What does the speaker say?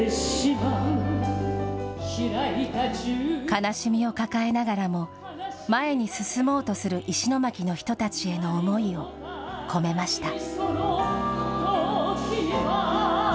悲しみを抱えながらも、前に進もうとする石巻の人たちへの思いを込めました。